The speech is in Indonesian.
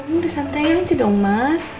udah santai aja dong mas